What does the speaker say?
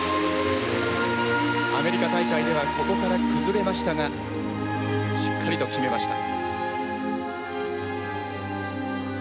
アメリカ大会ではここから崩れましたがしっかりと決めました。